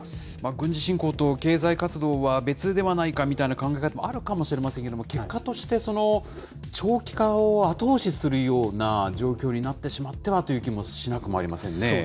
軍事侵攻と経済活動は別ではないかという考え方もあるかもしれませんけれども、結果として、長期化を後押しするような状況になってしまってはという気もしなくはありませんね。